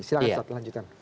silahkan ustaz lanjutkan